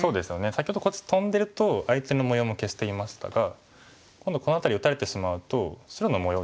先ほどこっちトンでると相手の模様も消していましたが今度この辺り打たれてしまうと白の模様